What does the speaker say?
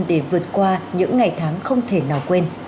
để vượt qua những ngày tháng không thể nào quên